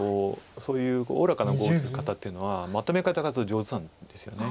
そういうおおらかな碁を打つ方っていうのはまとめ方がすごい上手なんですよね。